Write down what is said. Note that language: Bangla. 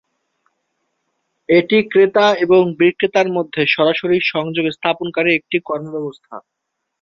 এটি ক্রেতা এবং বিক্রেতার মধ্যে সরাসরি সংযোগ স্থাপনকারী একটি কর্ম ব্যবস্থা।